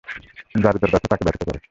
যারীদের ব্যথা তাকে ব্যথিত করে।